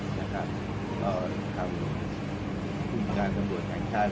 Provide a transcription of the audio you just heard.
ก็ทำยังไงได้นะครับก็ทำอุปกรณ์สังบัติฐานชาย